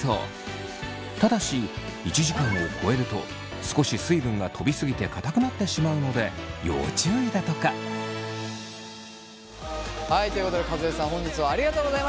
ただし１時間を超えると少し水分がとび過ぎてかたくなってしまうので要注意だとか。ということで和江さん本日はありがとうございました。